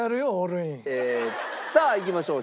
さあいきましょう。